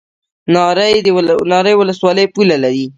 ناری ولسوالۍ پوله لري؟